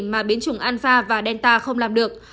mà biến chủng alpha và delta không làm được